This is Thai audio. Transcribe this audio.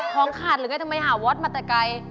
ของขาดหรือเนี่ยทำไมหาวัตต์มาตรายใกล้